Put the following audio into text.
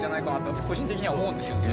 私個人的には思うんですよね